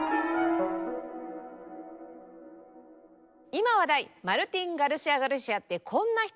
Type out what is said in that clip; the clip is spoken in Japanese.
今話題マルティン・ガルシア・ガルシアってこんな人！